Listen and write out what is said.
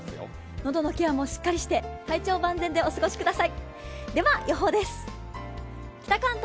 喉のケアもしっかりして体調を万全にしてお過ごしください。